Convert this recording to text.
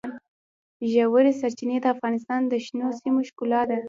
ژورې سرچینې د افغانستان د شنو سیمو ښکلا ده.